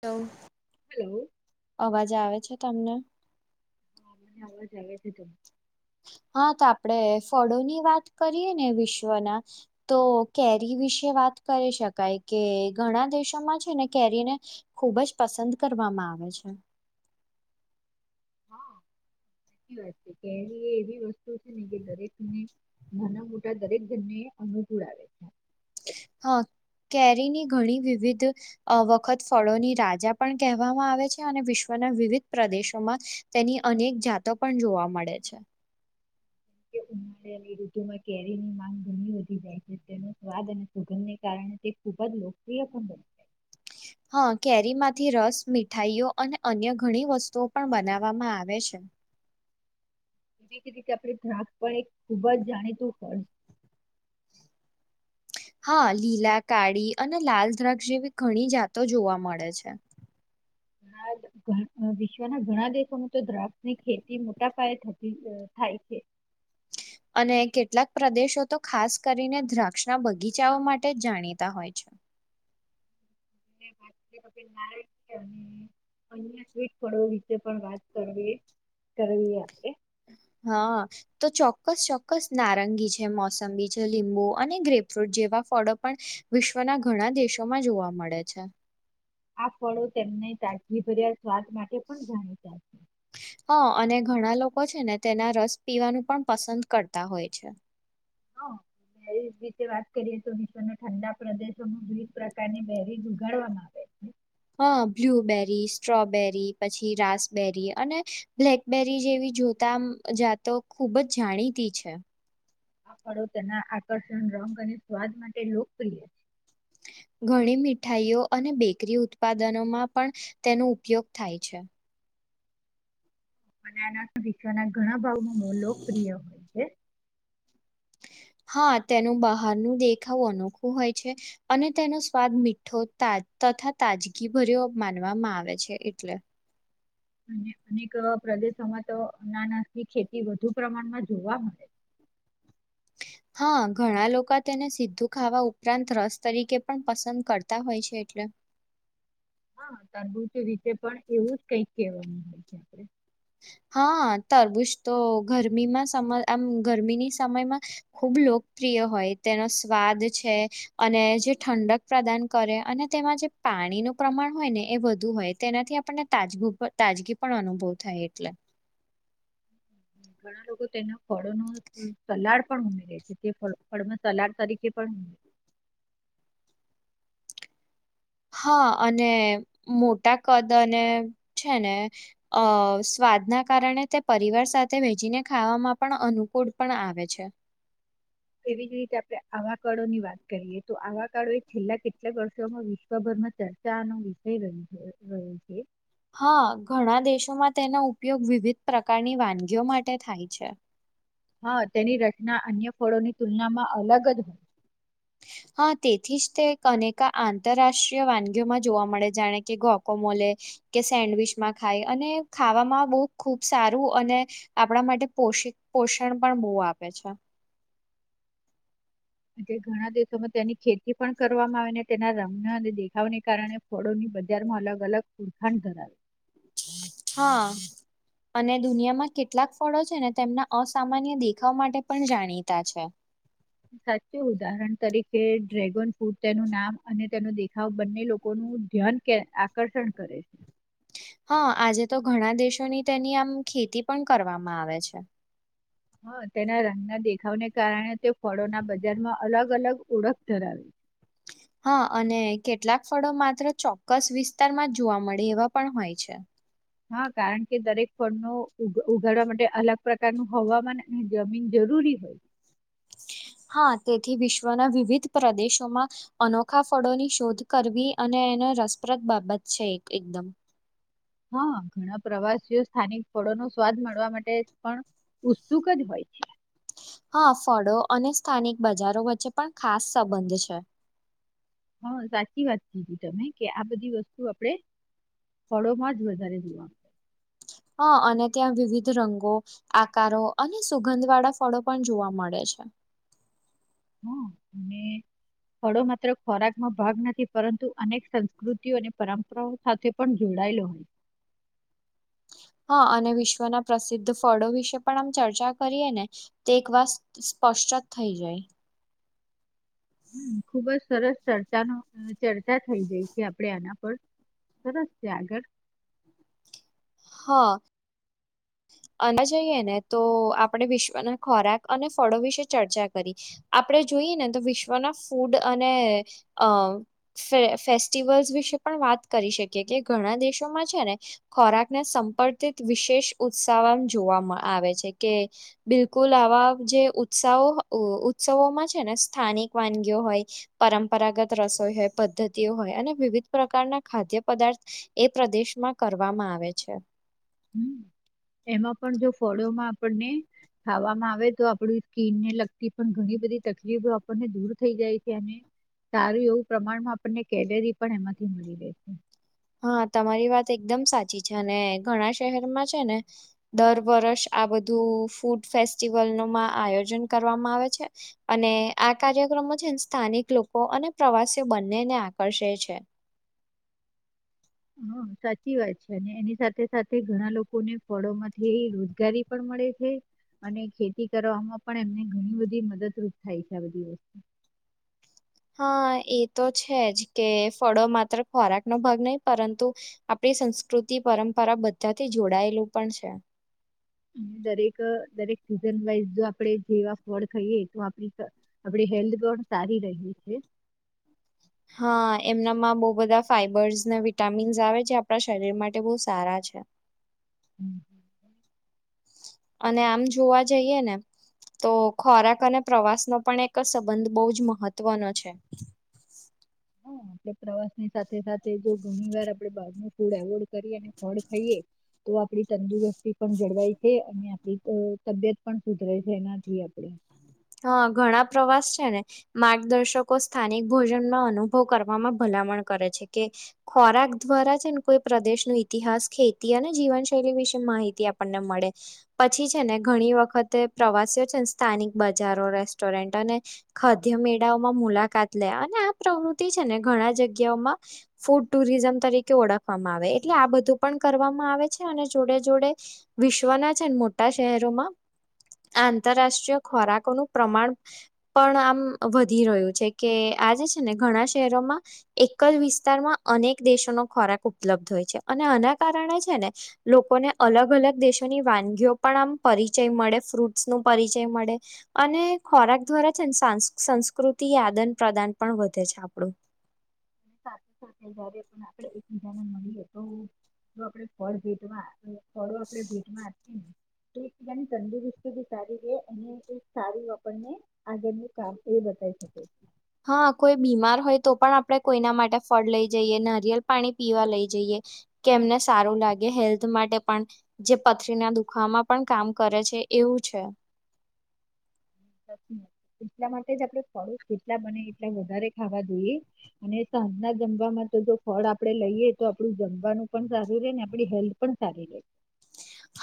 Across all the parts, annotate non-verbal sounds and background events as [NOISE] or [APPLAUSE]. તો.. હેલો અવાજ આવે. તમને.. હા મને અવાજ આવે છે... હા.. તો આપણેે ફળોની વાત કરીએ ને વિશ્વના તો કેરી વિશે વાત કરી શકાય કે ઘણા દેશોમાં છે ને કેરીને ખૂબ જ પસંદ કરવામાં આવે છે. હા સાચી વાત છે કે એ એવી વસ્તુ છે ને જે દરેકને નાના મોટા દરેકજણને અનુકૂળ આવે છે. હા.. કેરીની ઘણી વિવિધ વખત ફળોની રાજા પણ કહેવામાં આવે છે અને વિશ્વના વિવિધ પ્રદેશોમાં તેની અનેક જાતો પણ જોવા મળે છે. ઉનાળાની ઋતુમાં કેરીની માંગ ઘણી વધી જાય છે તેનો સ્વાદ અને સુગંધને કારણે તે ખૂબ જ લોકપ્રિય પણ બને છે. હા.. કેરી માંથી રસ મીઠાઈઓ અને અન્ય ઘણી વસ્તુઓ પણ બનાવવામાં આવે છે એવી રીતે આપણે દ્રાક્ષ પણ એક ખૂબ જ જાણીતું ફળ.. હા.. લીલા, કાળી અને લાલ દ્રાક્ષ જેવી ઘણી જાતો જોવા મળે છે. ઘણા વિશ્વના ઘણા દેશોમાં તો દ્રાક્ષ ની ખેતી મોટા પાયે થતી થાય છે અને કેટલાંક પ્રદેશો તો ખાસ કરીને દ્રાક્ષના બગીચાઓ માટે જ જાણીતા હોય છે. અન્ય કોઇક ફળો વિશે પણ વાત કરવી કરવી આપણે. હા.. તો ચોક્કસ.. ચોક્કસ! નારંગી છે, મોસંબી છે લીંબુ અને ગ્રેપ્રૂટ જેવા ફળો પણ વિશ્વના ઘણા દેશોમાં જોવા મળે છે આ ફળો તેમને તાજગીભર્યા સ્વાદ માટે પણ જાણીતા છે. હા અને ઘણાલોકો છે ને તેના રસ પીવાનું પણ પસંદ કરતા હોય છે. હા બેરી વિશે વાત કરીએ તો વિશ્વના ઠંડા પ્રદેશોમાં વિવિધ પ્રકારની બેરીઝ ઉગાડવામાં આવે છે. હા બ્લુબેરી સ્ટ્રોબેરી પછી રાસબેરી અને બ્લેકબેરી જેવી જોતા જાતો ખુબ જ જાણીતી છે આ ફળો તેના આકર્ષણ રંગ અને સ્વાદ માટે લોકપ્રિય છે ઘણી મીઠાઈઓ અને બેકરી ઉત્પાદનોમાં પણ તેનો ઉપયોગ થાય છે મ આના વિશ્વના ઘણા ભાવમાં લોકપ્રિય હોય છે હા તેનું બહારનું દેખાવ અનોખું હોય છે અને તેનો સ્વાદ મીઠોા તથા તાજગી ભર્યો માનવામાં આવે છે એટલે અને અનેક પ્રદેશોમાં તો અનાના ની ખેતી વધુ પ્રમાણમાં જોવા મળે હા ઘણા લોકો તેને સીધું ખાવા ઉપરાંત રસ તરીકે પણ પસંદ કરતા હોય છે એટલે હા તરબુજ રીતે પણ એવું જ કઈક કહેવાનું હોય છે આપે હા તરબૂજ તો ગરમીમાં સમય આમ ગરમીની સમયમાં ખૂબ લોકપ્રિય હોય તેનો સ્વાદ છે અને જે ઠંડક પ્રદાન કરે અને તેમાં જે પાણીનું પ્રમાણ હોય ને એ વધુ હોય તેનાથી આપણને તાજું તાજગી પણ અનુભવ થાય [INAUDIBLE] ઘણા લોકો તેના ફળો ન સલાડ પણ ઉમેરે છે તે ફ ફળમ સલાડ તરીકે પણ ઉમે હા અને મોટા કદ અને છે ને અ સ્વાદના કારણે તે પરિવાર સાથે વેચને ખાવામાં પણ અનુકૂળ પણ આવે છે એવી જ રીતે આપણે આવાકાળો ની વાત કરીએ તો આવાકાળો એ છેલ્લા કેટલાક વર્ષોમાં વિશ્વભરમાં ચર્ચાનો વિષય રહ રહ્યો છે હા ઘણા દેશોમાં તેનો ઉપયોગ વિવિધ પ્રકારની વાનગીઓ માટે થાય છે હા તેની રચના અન્ય ફળોની તુલનામાં અલગ જ હોય હા તેથી જ તે અનેકા આંતરરાષ્ટ્રીય વાનગીઓમાં જોવા મળે જાણે કે ગોકોમોલે કે સેન્ડવીચમાં ખાય અને ખાવામાં બહુ ખૂબ સારું અને આપણા માટે પોષ પોષણ પણ બહુ આપે છે એટ ઘણા દિવસોમાં તેની ખેતી પણ કરવામાં આવે અને તેના રમના અને દેખાવને કારણે ફળોની બજારમાં અલગ અલગ ઓરખાણ ધરાવે હા અને દુનિયામાં કેટલાક ફળો છે ને તેમના અસામાન્ય દેખાવ માટે પણ જાણીતા છે સાચું ઉદાહરણ તરીકે ડ્રેગન ફ્રૂટ તેનું નામ અને તેનો દેખાવ બંને લોકોનું ધ્યાન આકર્ષણ કરે છે હા આજે તો ઘણા દેશોની તેની આમ ખેતી પણ કરવામાં આવે છે હા તેના રંગના દેખાવને કારણે તે ફળોના બજારમાં અલગ અલગ ઓળખ ધરાવે છે હા અને કેટલાક ફળો માત્ર ચોક્કસ વિસ્તારમાં જ જોવા મળે એવા પણ હોય છે હા કારણ કે દરેક ફળનો ઉગાડવા માટે અલગ પ્રકારનું હવામાન જમીન જરૂરી હોય હા તેથી વિશ્વના વિવિધ પ્રદેશોમાં અનોખા ફળોની શોધ કરવી અને એને રસપ્રદ બાબત છે એકદમ હા ઘણા પ્રવાસીઓ સ્થાનિક ફળો નો સ્વાદ મળવા માટે પણ ઉત્સુક જ હોય છે હા ફળો અને સ્થાનિક બજારો વચ્ચે પણ ખાસ સંબંધ છે હા સાચી વાત કીધી તમે કે આ બધી વસ્તુ આપણેે ફળોમાં જ વધારે જોવા મળશે હા અને ત્યાં વિવિધ રંગો આકારો અને સુગંધ વાળા ફળો પણ જોવા મળે છે હ અને હળો માત્ર ખોરાકમાં ભાગ નથી પરંતુ અનેક સંસ્કૃતિઓ અને પરંપરાઓ સાથે પણ જોડાયેલો હોય હા અને વિશ્વના પ્રસિદ્ધ ફળો વિશે પણ આમ ચર્ચા કરીએ ને તે એક વાત સ્પષ્ટ જ થઈ જાય હમ ખુબ જ સરસ ચર્ચાનો ચર્ચા થઈ ગઈ છે આપડે આના પર સરસ છે આગળ હા અ જઈએ ને તો આપણે વિશ્વના ખોરાક અને ફળો વિશે ચર્ચા કરી આપણે જોઈએ ને તો વિશ્વના ફૂડ અને અ ફ ફેસ્ટિવલ્સ વિશે પણ વાત કરી શકીએ કે ઘણા દેશોમાં છે ને ખોરાકને સંપર્કિત વિશેષ ઉત્સવમાં જોવાવામાં આવે છે કે બિલકુલ આવા જે ઉત્સવો ઉત્સવોમાં છે ને સ્થાનિક વાનગીઓ હોય પરંપરાગત રસોઈ હોય પદ્ધતિઓ હોય અને વિવિધ પ્રકારના ખાદ્ય પદાર્થ એ પ્રદેશમાં કરવામાં આવે છે હમ એમાં પણ જો ફળોમાં આપણને ખાવામાં આવે તો આપણી સ્કીનને લગતી પણ ઘણી બધી તકલીફો આપણને દૂર થઈ જાય છે અને સારું એવું પ્રમાણમાં આપણને કેલરી પણ એમાંથી મળી રહે છે હા તમારી વાત એકદમ સાચી છે અને ઘણા શહેરમાં છે ને દર વર્ષ આ બધું ફૂડ ફેસ્ટિવલ નમાં આયોજન કરવામાં આવે છે અને આ કાર્યક્રમમાં છે સ્થાનિક લોકો અને પ્રવાસીઓ બંનેને આકર્ષે છે હ સાચી વાત છે અને એની સાથે સાથે ઘણા લોકોને ફળોમાંથી રોજગારી પણ મળે છે અને ખેતી કરવામાં પણ એમને ઘણી બધી મદદરૂપ થાય છે આ બધી વસ્તુ હા એ તો છે જ કે ફળો માત્ર ખોરાક નો ભાગ નહી પરંતુ આપડી સંસ્કૃતિ પરંપરા બધાથી જોડાયેલું પણ છે દરેક દરેક સીઝન વાઈઝ જો આપણે જેવા ફળ ખાઈએ તો આપ આપ હેલ્થ પણ સારી ર છે હા એમનામાં બહુ બધા ફાઈબર્સ ને વિટામિન્સ આવે જે આપણા શરીર માટે બહુ સારા છે [INAUDIBLE] અને આમ જોવા જઈએ ને તો ખોરાક અને પ્રવાસનોો પણ એક સંબંધ બહુ જ મહત્વનો છે હા આપ પ્રવાસ ની સાથે સાથે જો ઘણી વાર આપડે બાર ન ફૂડ એવોર્ડ કરી અને ફળ ખાઈએ તો આપડી તંદુરસ્તી પણ જળવાય છે અને આપણી તબિયત પણ સુધરે છે એનાથી આપડે હા ઘણા પ્રવાસ છે ને માર્ગદર્શકો સ્થાનિક ભોજનમાં અનુભવ કરવામાં ભલામણ કરે છે કે ખોરાક દ્વારા છે ને કોઈ પ્રદેશ ન ઈતિહાસ ખેતી અને જીવનશૈલી વિશે માહિતી આપણને મળે પછી છે ને ઘણી વખતે પ્રવાસીઓ છે ને સ્થાનિક બજારો રેસ્ટોરન્ટ અને ખાદ્ય મેળાઓમાં મુલાકાત લે અને આ પ્રવૃત્તિ છે ને ઘણા જગ્યાઓમાં ફૂડ ટુરિઝમ તરીકે ઓળખવામાં આવે એટલે આ બધું પણ કરવામાં આવે છે અને જોડે જોડે વિશ્વના છેન મોટા શહેરોમાં આંતરરાષ્ટ્રીય ખોરાકોનું પ્રમાણ પણ આમ વધી રહ્યું છે કે આજે છે ને ઘણા શહેરોમાં એક જ વિસ્તારમાં અનેક દેશોનો ખોરાક ઉપલબ્ધ હોય છે અને આના કારણે છે ને લોકોને અલગ અલગ દેશોની વાનગીઓ પણ આમ પરિચય મળે ફ્રૂટ્સનું પરિચય મળે અને ખોરાક દ્વારા છે ન સંસ સંસ્કૃતિ આદન પ્રદાન પણ વધે છે આપડુ સાથે સાથે જયારે પણ આપડે એકબીજાને મળીએ તો જો આપડે ફળ ભેટવા ફળો આપડે ભીટમાં આપીએ ને તો એકદમ તંદુરસ્તી બી સારી રે અને એ સારું આપણને આગળનું કામ એ બતાવી શકે છે હા કોઈ બીમાર હોય તો પણ આપડે કોઈના માટે ફળ લઈ જઈએ નરિયેલ પાણી પીવા લઈ જઈએ કે એમને સારું લાગે હેલ્થ માટે પણ જે પથરીના દુખાવામાં પણ કામ કરે છે એવું છે એટલા માટે જ આપડે ફળો જેટલા બને એટલા વધારે ખાવા જોઈએ અને સાંજના જમવામાં તો જો ફળ આપડે લઈએ તો આપડું જમવાનું પણ સારું રે અને આપડી હેલ્થ પણ સારી રે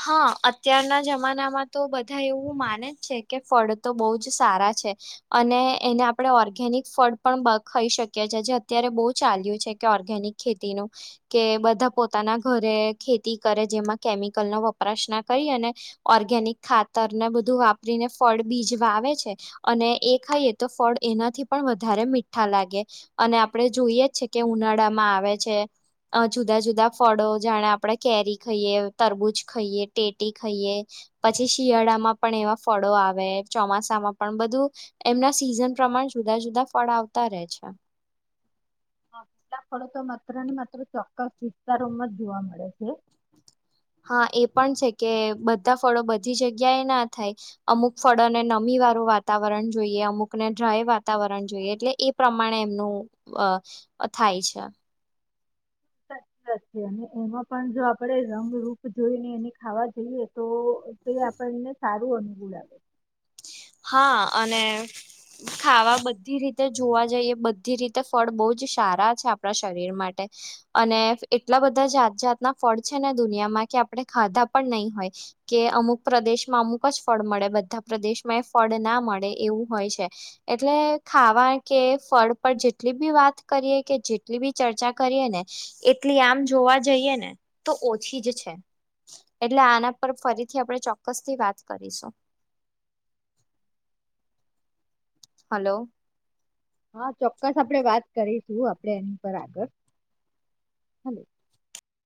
હા અત્યારના જમાનામાં તો બધા એવું માને જ છે કે ફળ તો બહુ જ સારા છે અને એને આપણે ઓર્ગેનિક ફળ પણ ખાઈ શકીએ છેએ જે અત્યારે બહુ ચાલ્યું છે કે ઓર્ગેનિક ખેતીનું કે બધા પોતાના ઘરે ખેતી કરે જેમાં કેમિક કલ નો વપરાશ ના કરી અને ઓર્ગેનિક ખાતરને બધું વાપરીને ફળ બીજ વાવે છે અને એ ખાઈએ તો ફળ એનાથી પણ વધારે મીઠા લાગે અને આપડે જોઈએ જ છે કે ઉનાળામાં આવે છે અ જુદા જુદા ફળો જાણે આપણે કેરી ખઈએ તરબૂચ ખઈએ ટેટી ખઈએ પછી શિયાળામાં પણ એવા ફળો આવે ચોમાસામાં પણ બધું એમના સિઝન પ્રમાણ જુદા જુદા ફળ આવતા રે છે હા કેટલાક ફળો તો માત્ર ને માત્ર ચોક્કસ વિસ્તારોમાં જ જોવા મળે છે હા એ પણ છે કે બધા ફળો બધી જગ્યાએ ના થાય અમુક ફળોને નમી વાળું વાતાવરણ જોઈએ અમુકને ડ્રાય વાતાવરણ જોઈએ એટલે એ પ્રમાણે એમનું અ થાય છે સાચી વાત છે અને એમાં પણ જો આપણે રંગરૂૂપ જોઈને એને ખાવા જઈએ તો તે આપણને સારું અનુકૂળ આવે હા અને ખાવા બધી રીતે જોવા જઈએ બધી રીતે ફળ બહુ જ સારા છે આપડા શરીર માટે અને એટલા બધા જાત જાતના ફળ છે ને દુનિયામાં કે આપણે ખાધા પણ નહી હોય કે અમુક પ્રદેશમાં અમુક જ ફળ મળે બધા પ્રદેશ માં એ ફળ ના મળે એવું હોય છે એટલે ખાવા કે ફળ પર જેટલી બી વાત કરીએ કે જેટલી બી ચર્ચા કરીએ ને એટલી આમ જોવા જઈએ ને તો ઓછી જ છે એટલે આના પર ફરીથી આપણે ચોક્કસ થી વાત કરીશું હલો હા ચોક્કસ આપડે વાત કરીશું આપડે એની પર આગળ હને